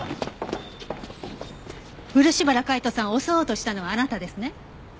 漆原海斗さんを襲おうとしたのはあなたですね？